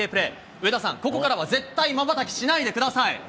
上田さん、ここからは絶対にまばたきしないでください。